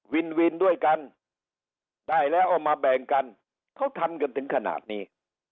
วินวินด้วยกันได้แล้วเอามาแบ่งกันเขาทำกันถึงขนาดนี้